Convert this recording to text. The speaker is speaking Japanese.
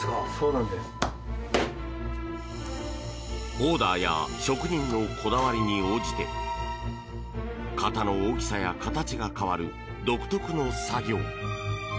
オーダーや職人のこだわりに応じて型の大きさや形が変わる独特の作業。